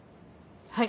はい。